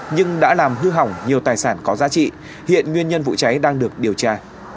nhưng đã làm hư hỏng nhiều tài sản có giá trị hiện nguyên nhân vụ cháy đang được điều tra